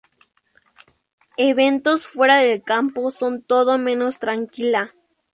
Eventos fuera del campo son todo menos tranquila.